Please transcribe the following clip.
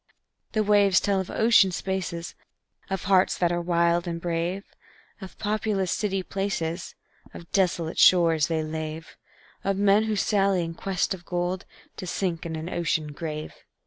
The waves tell of ocean spaces, Of hearts that are wild and brave, Of populous city places, Of desolate shores they lave, Of men who sally in quest of gold To sink in an ocean grave.